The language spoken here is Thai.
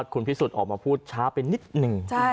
คุณพิสุทธิ์ออกมาพูดช้าไปนิดนึง